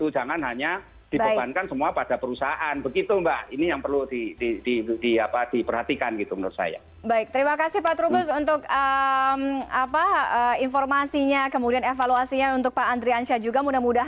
jangan hanya dibebankan semua